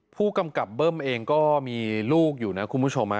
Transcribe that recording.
ผู้กำกับเบิ้มเองก็มีลูกอยู่นะคุณผู้ชม